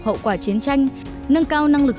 hậu quả chiến tranh nâng cao năng lực